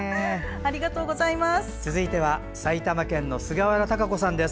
続いては埼玉県の菅原孝子さん。